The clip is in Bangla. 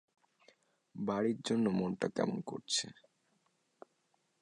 বাড়ির জন্যে মনটা কেমন করছে।